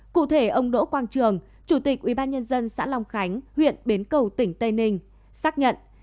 cụ thể ông đỗ quang trường chủ tịch ubnd xã long khánh huyện bến cầu tỉnh tây ninh xác nhận